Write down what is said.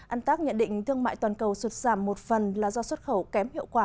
ăn tác nhận định thương mại toàn cầu sụt giảm một phần là do xuất khẩu kém hiệu quả